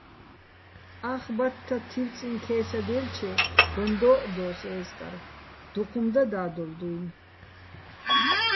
ახ ბათთა თივწიჼ ქე́სადჲელჩე გონ დო́ჸდოს ე́ზკარ, დუჴ უ̂მ და და́დოლ დუჲნი̆.